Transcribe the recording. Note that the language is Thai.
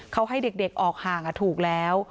เขาให้เด็กออกห่างถูกแล้ว